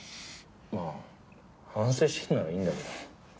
まあ反省してるならいいんだけど。